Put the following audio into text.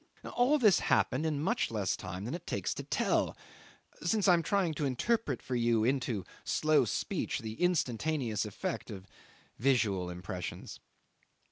'All this happened in much less time than it takes to tell, since I am trying to interpret for you into slow speech the instantaneous effect of visual impressions.